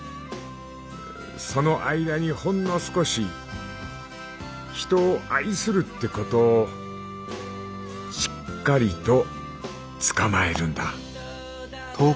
その間にほんの少し人を愛するってことをしっかりとつかまえるんだ」。